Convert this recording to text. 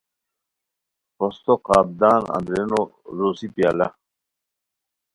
پھوستو قاپ دان اندرینو روسی پیالہ